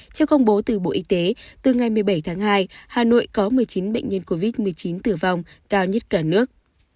theo công bố từ bộ y tế từ ngày một mươi bảy tháng hai hà nội có một mươi chín bệnh nhân covid một mươi chín tử vong cao nhất cả nước